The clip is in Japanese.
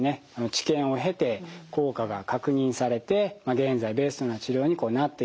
治験を経て効果が確認されて現在ベストな治療になってきてるという歴史がございます。